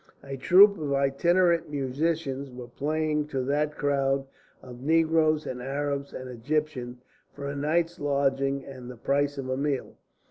A troupe of itinerant musicians were playing to that crowd of negroes and Arabs and Egyptians for a night's lodging and the price of a meal.